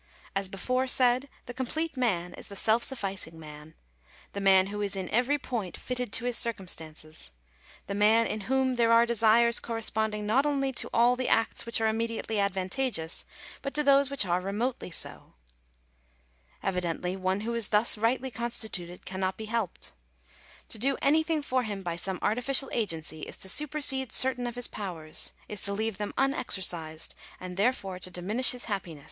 As before said, the complete man is the self sufficing man — the man who is in every point fitted to his circumstances — the man in whom there are desires corresponding not only to all the acts which are immediately advantageous, but to those which are remotely so. Evidently, one who is thus rightly con stituted cannot be helped. To do anything for him by some artificial agency, is to supersede certain of his powers — is to leave them unexercised, and therefore to diminish his happi Digitized by VjOOQIC THE LIMIT OF STATE DUTY.